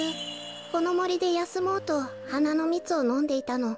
このもりでやすもうとはなのみつをのんでいたの。